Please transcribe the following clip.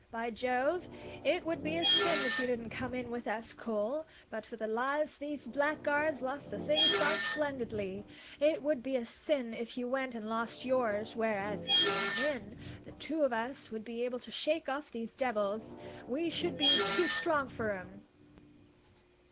By Jove, it would be a sin if you didn't come in with us, Cole; but for the lives these blackguards lost the thing's gone splendidly; it would be a sin if you went and lost yours, whereas, if you come in, the two of us would be able to shake off those devils: we should be too strong for 'em."